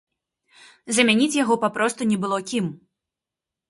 Замяніць яго папросту не было кім.